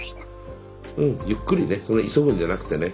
うんゆっくりねそんな急ぐんじゃなくてね。